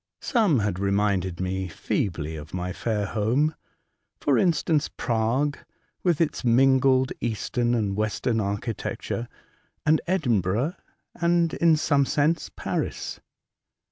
Some had reminded me feebly of my fair home ; for instance, Prague, with its mingled eastern and western archi tecture, and Edinburgh, and, in some sense, Paris.